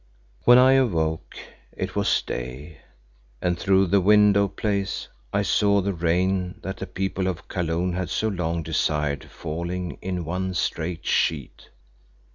When I awoke it was day, and through the window place I saw the rain that the people of Kaloon had so long desired falling in one straight sheet.